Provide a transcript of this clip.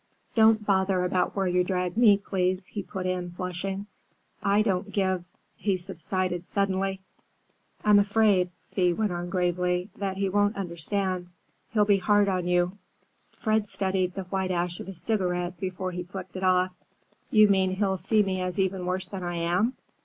"Don't bother about where you drag me, please," he put in, flushing. "I don't give—" he subsided suddenly. "I'm afraid," Thea went on gravely, "that he won't understand. He'll be hard on you." Fred studied the white ash of his cigarette before he flicked it off. "You mean he'll see me as even worse than I am.